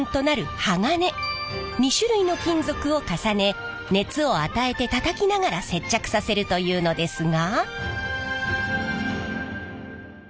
２種類の金属を重ね熱を与えてたたきながら接着させるというのですが。